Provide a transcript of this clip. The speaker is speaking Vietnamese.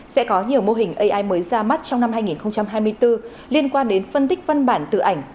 sẽ có nhiều mô hình ai mới ra mắt trong năm hai nghìn hai mươi bốn liên quan đến phân tích văn bản từ ảnh